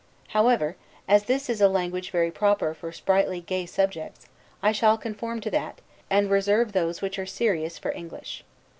However, as this is a language very proper for sprightly, gay subjects, I shall conform to that, and reserve those which are serious for English.